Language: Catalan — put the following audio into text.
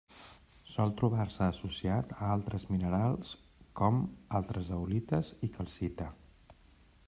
Sol trobar-se associat a altres minerals com: altres zeolites i calcita.